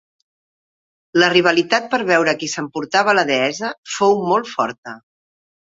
La rivalitat per veure qui s'emportava la deessa fou molt forta.